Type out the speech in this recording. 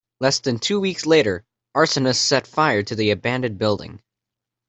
Less than two weeks later, arsonists set fire to the abandoned building.